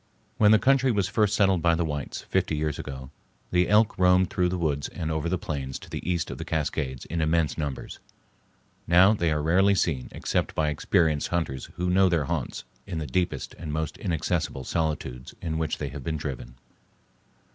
When the country was first settled by the whites, fifty years ago, the elk roamed through the woods and over the plains to the east of the Cascades in immense numbers; now they are rarely seen except by experienced hunters who know their haunts in the deepest and most inaccessible solitudes to which they have been driven.